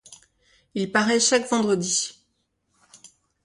Il paraît chaque vendredi.